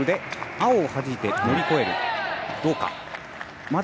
青をはじいて乗り越えました。